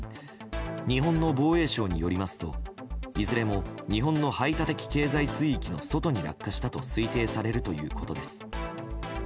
日本の防衛省によりますといずれも日本の排他的経済水域の外に落下したと推定されるということです。